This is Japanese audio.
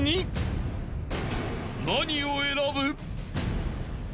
［何を選ぶ？］